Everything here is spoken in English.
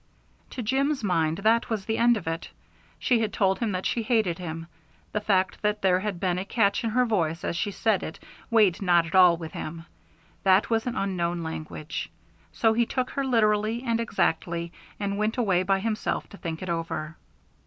To Jim's mind that was the end of it. She had told him that she hated him. The fact that there had been a catch in her voice as she said it weighed not at all with him; that was an unknown language. So he took her literally and exactly and went away by himself to think it over.